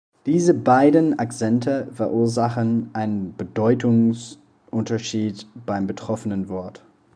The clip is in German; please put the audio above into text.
Diese beiden Akzente verursachen einen Bedeutungsunterschied beim betroffenen Wort.